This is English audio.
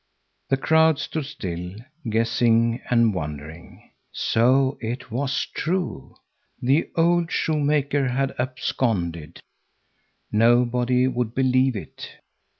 The crowd stood still, guessing and wondering. So it was true; the old shoemaker had absconded. Nobody would believe it.